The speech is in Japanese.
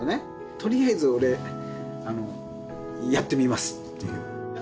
とりあえず俺、やってみますっていう。